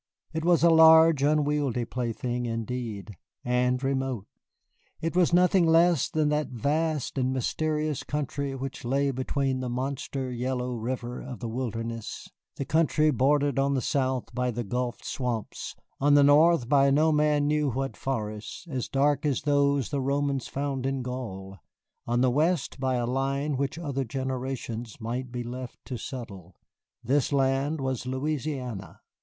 It was a large, unwieldy plaything indeed, and remote. It was nothing less than that vast and mysterious country which lay beyond the monster yellow River of the Wilderness, the country bordered on the south by the Gulf swamps, on the north by no man knew what forests, as dark as those the Romans found in Gaul, on the west by a line which other generations might be left to settle. This land was Louisiana.